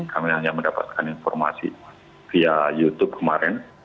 kami hanya mendapatkan informasi via youtube kemarin